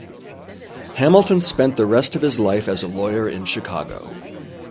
Hamilton spent the rest of his life as a lawyer in Chicago.